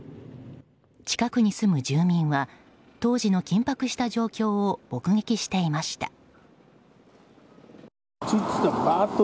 近くに住む住民は当時の緊迫した状況を目撃していました。